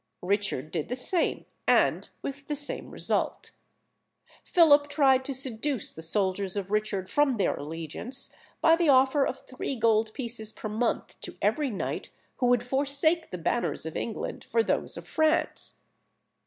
Richard did the same, and with the same result. Philip tried to seduce the soldiers of Richard from their allegiance by the offer of three gold pieces per month to every knight who would forsake the banners of England for those of France.